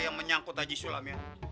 yang menyangkut haji sulam